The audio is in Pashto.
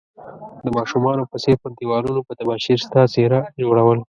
د ماشومانو په څير پر ديوالونو په تباشير ستا څيره جوړول